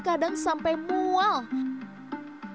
kadang sampai mual meskipun dirasa sudah wanti wanti dengan